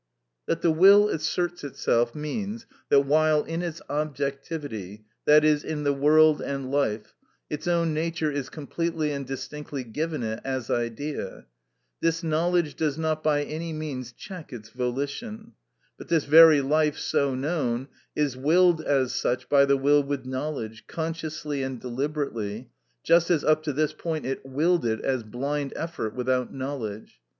That the will asserts itself means, that while in its objectivity, i.e., in the world and life, its own nature is completely and distinctly given it as idea, this knowledge does not by any means check its volition; but this very life, so known, is willed as such by the will with knowledge, consciously and deliberately, just as up to this point it willed it as blind effort without knowledge.